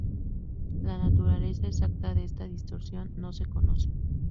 La naturaleza exacta de esta distorsión no se conoce.